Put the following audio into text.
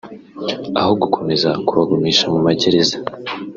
aho gukomeza kubagumisha mu magereza